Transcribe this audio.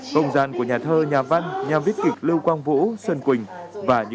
không gian của nhà thơ nhà văn nhà viết kịch lưu quang vũ sơn quỳnh